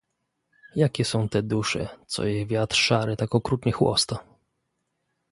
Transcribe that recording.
"jakie są te dusze, Co je wiatr szary tak okrutnie chłosta?"